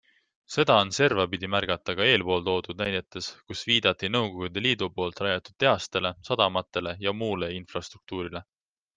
Seda on servapidi märgata ka eelpool toodud näidetes, kus viidati Nõukogude Liidu poolt rajatud tehastele, sadamatele ja muule infrastruktuurile.